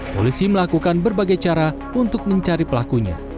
polisi melakukan berbagai cara untuk mencari pelakunya